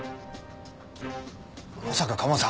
まさかカモさん。